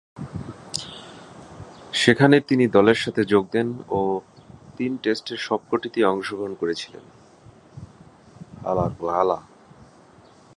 সেখানে তিনি দলের সাথে যোগ দেন ও তিন টেস্টের সবকটিতেই অংশগ্রহণ করেছিলেন।